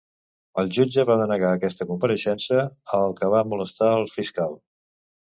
El jutge va denegar aquesta compareixença, el que va molestar el fiscal.